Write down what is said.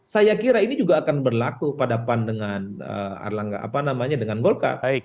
saya kira ini juga akan berlaku pada pandangan erlangga dengan golkar